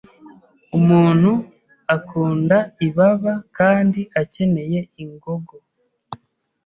Umuntu akunda ibaba kandi akeneye ingogo